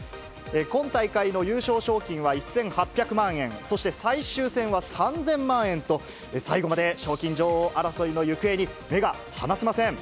今大会の優勝賞金は１８００万円、そして最終戦は３０００万円と、最後まで賞金女王争いの行方に目が離せません。